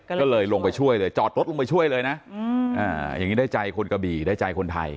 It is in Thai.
ก็เลยลงไปช่วยเลยจอดรถลงไปช่วยเลยนะอย่างนี้ได้ใจคนกะบี่ได้ใจคนไทย